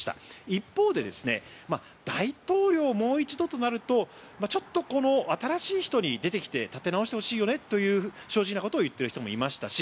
一方で大統領をもう一度となるとちょっと新しい人に出てきて立て直してほしいよねと正直なことを言っている人もいましたし